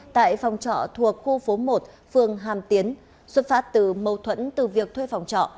tại phòng trọ thuộc khu phố một phường hàm tiến xuất phát từ mâu thuẫn từ việc thuê phòng trọ